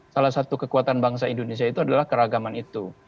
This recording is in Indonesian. salah satu kekuatan bangsa indonesia itu adalah keragaman itu